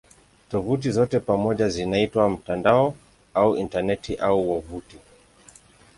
Tovuti zote pamoja zinaitwa "mtandao" au "Intaneti" au "wavuti".